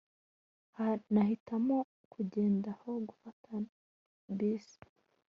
nahitamo kugenda aho gufata bisi